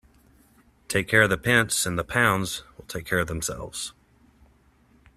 Take care of the pence and the pounds will take care of themselves.